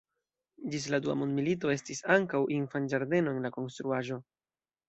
Ĝis la Dua mondmilito estis ankaŭ infanĝardeno en la konstruaĵo.